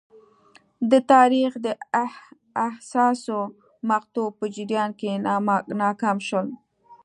د تاریخ د حساسو مقطعو په جریان کې ناکام شول.